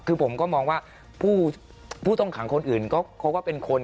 คือผมก็มองว่าผู้ต้องขังคนอื่นเขาก็เป็นคน